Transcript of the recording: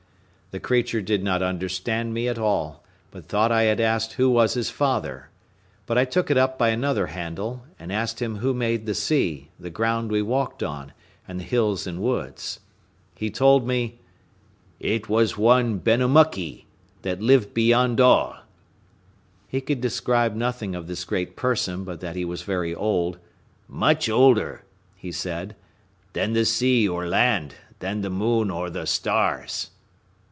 The creature did not understand me at all, but thought I had asked who was his father—but I took it up by another handle, and asked him who made the sea, the ground we walked on, and the hills and woods. He told me, "It was one Benamuckee, that lived beyond all;" he could describe nothing of this great person, but that he was very old, "much older," he said, "than the sea or land, than the moon or the stars."